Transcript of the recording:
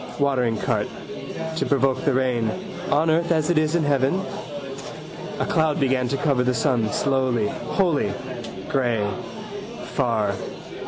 Watering cart. To provoke the rain. On earth as it is in heaven. A cloud began to cover the sun slowly, wholly. Grey. Far.